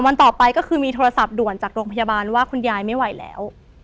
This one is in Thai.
วันต่อไปก็คือมีโทรศัพท์ด่วนจากโรงพยาบาลว่าคุณยายไม่ไหวแล้ว